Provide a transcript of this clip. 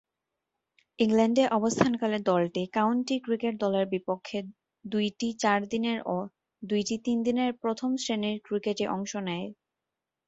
ইংল্যান্ডে অবস্থানকালে দলটি কাউন্টি ক্রিকেট দলের বিপক্ষে দুইটি চারদিনের ও দুইটি তিনদিনের প্রথম-শ্রেণীর ক্রিকেটে অংশ নেয়।